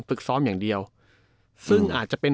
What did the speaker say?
ฝึกซ้อมอย่างเดียวซึ่งอาจจะเป็น